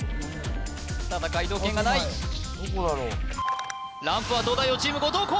ただ解答権がないランプは東大王チーム後藤弘